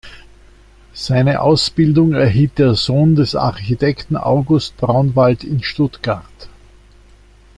Seine Ausbildung erhielt der Sohn des Architekten August Braunwald in Stuttgart.